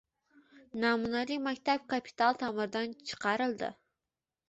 Namunali maktab kapital taʼmirdan chiqarildi